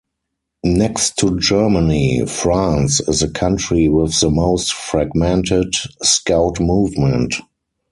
Next to Germany, France is the country with the most fragmented Scout movement.